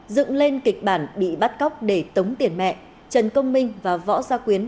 dựng lên kịch bản bị bắt cóc để tống tiền mẹ trần công minh và võ gia quyến